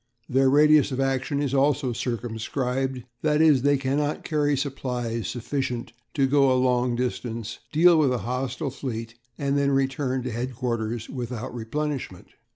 Their radius of action is also circumscribed that is, they cannot carry supplies sufficient to go a long distance, deal with a hostile fleet, and then return to headquarters without replenishment.